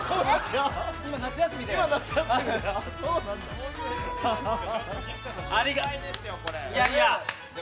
今、夏休みで。